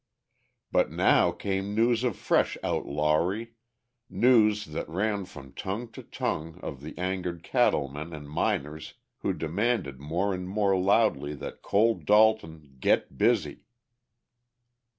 But now came news of fresh outlawry, news that ran from tongue to tongue of the angered cattle men and miners who demanded more and more loudly that Cole Dalton "get busy".